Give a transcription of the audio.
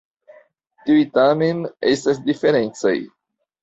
Tiuj tamen estas diferencaj.